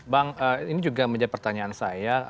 bang ini juga menjadi pertanyaan saya